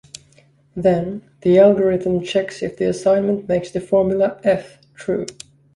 Then, the algorithm checks if the assignment makes the formula "F" true.